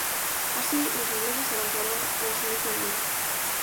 Así, los ingleses avanzaron a la semifinal.